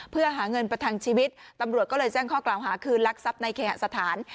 เพื่อหาเงินประทังชีวิตตำรวจก็เลยแจ้งข้อกล่าวหาคืนลักทรัพย์ในเคหสถาน